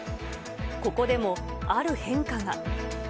ここでもある変化が。